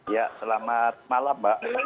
ya selamat malam mbak